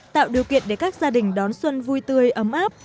tạo điều kiện để các gia đình đón xuân vui tươi ấm áp